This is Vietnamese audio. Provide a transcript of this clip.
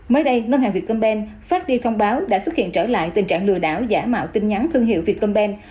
mới đây ngân hàng vietcomben phát đi thông báo đã xuất hiện trở lại tình trạng lừa đảo giả mạo tin nhắn thương hiệu vietcomben